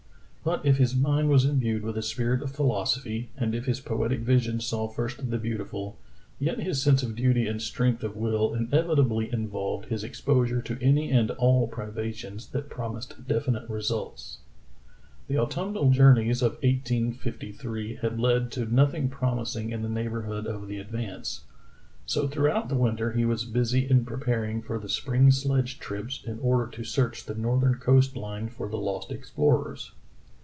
But if his mind was imbued with a spirit of philosophy, and if his poetic vision saw first the beautiful, yet his sense of duty and strength of will inevitably involved his exposure to any and all privations that promised definite results. The autumnal journeys of 1853 had led to noth ing promising in the neighborhood of the Advance, so throughout the winter he was busy in preparing for the spring sledge trips in order to search the northern coast line for the lost explorers.